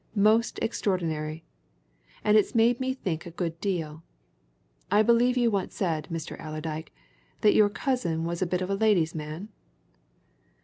Most extraordinary! And it's made me think a good deal. I believe you once said, Mr. Allerdyke, that your cousin was a bit of a ladies' man?"